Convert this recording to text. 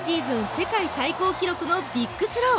世界最高記録のビッグスロー。